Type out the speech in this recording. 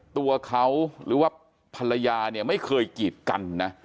ตัวเขาหรือว่าภรรยาเนี่ยไม่เคยกีดกันนะ